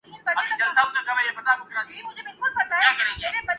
ایسے ہی جیسے آپ نظر تو بڑے مصروف آتے ہیں